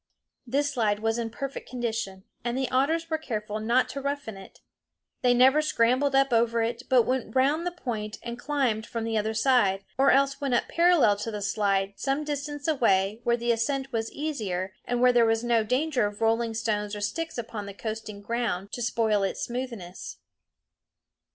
This slide was in perfect condition, and the otters were careful not to roughen it. They never scrambled up over it, but went round the point and climbed from the other side, or else went up parallel to the slide, some distance away, where the ascent was easier and where there was no danger of rolling stones or sticks upon the coasting ground to spoil its smoothness.